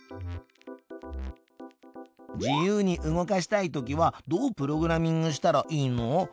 自由に動かしたいときはどうプログラミングしたらいいの？